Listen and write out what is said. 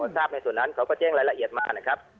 ทราบในส่วนนั้นเขาก็แจ้งรายละเอียดมานะครับ